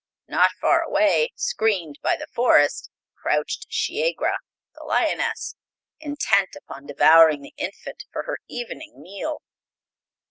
Not far away, screened by the forest, crouched Shiegra, the lioness, intent upon devouring the infant for her evening meal."